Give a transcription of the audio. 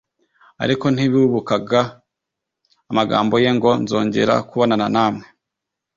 ariko ntibibukaga amagambo ye ngo, “nzongera kubonana namwe”